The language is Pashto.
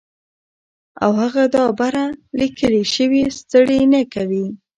او هغه دا بره ليکلے شوي ستړې نۀ کوي